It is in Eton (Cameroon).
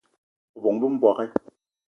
O bóng-be m'bogué!